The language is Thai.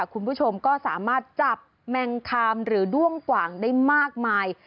คุณผู้ชมก็สามารถจับแมงคามหรือด้วงกว่างได้มากมาย